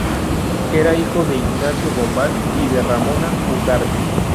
Era hijo de Ignacio Bombal y de Ramona Ugarte.